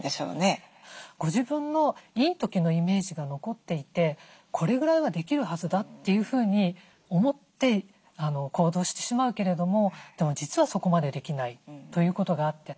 ご自分のいい時のイメージが残っていてこれぐらいはできるはずだというふうに思って行動してしまうけれどもでも実はそこまでできないということがあって。